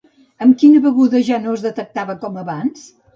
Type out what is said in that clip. Amb quina beguda ja no es delectava com abans?